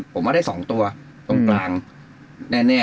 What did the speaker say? ผมว่าได้๒ตัวตรงกลางแน่